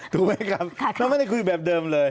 ถูกไหมครับเราไม่ได้คุยแบบเดิมเลย